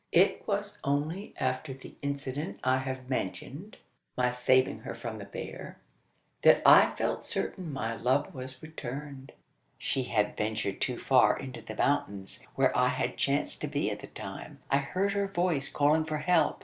It was only after the incident I have mentioned my saving her from the bear that I felt certain my love was returned. "She had ventured too far into the mountains, where I had chanced to be at the time. I heard her voice calling for help.